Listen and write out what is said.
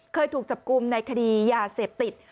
เคยถูกจับกลุ่มในคดียาเสพติด